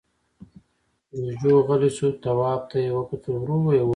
جُوجُو غلی شو، تواب ته يې وکتل، ورو يې وويل: